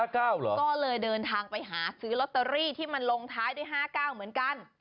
ก็เลยเดินทางไปหาซื้อลอตเตอรี่ที่มันลงท้ายด้วย๕๙เหมือนกัน